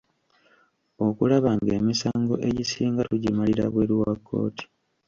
Okulaba ng’emisango egisinga tugimalira bweru wa kkooti.